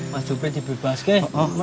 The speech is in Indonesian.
mas jepri dibebas pak